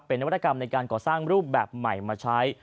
เป็นนวัตกรรมในการก่อสร้างรูปแบบใหม่มาใช้